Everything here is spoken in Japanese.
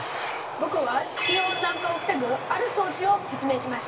僕は地球温暖化を防ぐある装置を発明しました